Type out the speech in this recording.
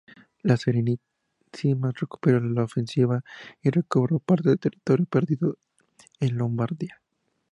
La Serenísima recuperó la ofensiva y recobró parte del territorio perdido en Lombardía.